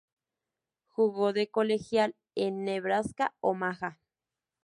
Jugo de colegial en Nebraska-Omaha.